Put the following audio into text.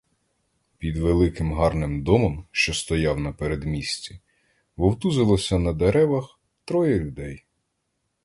Під великим, гарним домом, що стояв на передмісті, вовтузилося на деревах троє людей.